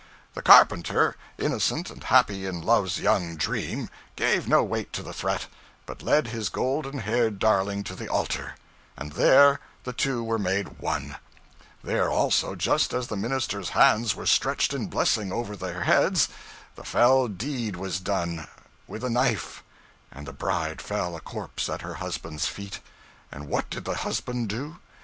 The carpenter, 'innocent and happy in love's young dream,' gave no weight to the threat, but led his 'golden haired darling to the altar,' and there, the two were made one; there also, just as the minister's hands were stretched in blessing over their heads, the fell deed was done with a knife and the bride fell a corpse at her husband's feet. And what did the husband do?